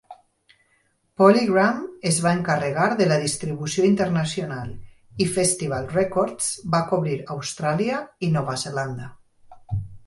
PolyGram es va encarregar de la distribució internacional i Festival Records va cobrir Austràlia i Nova Zelanda.